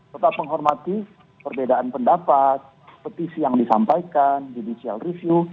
tetap menghormati perbedaan pendapat petisi yang disampaikan judicial review